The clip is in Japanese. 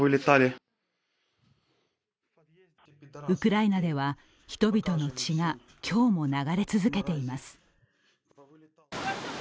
ウクライナでは人々の血が今日も流れ続けています。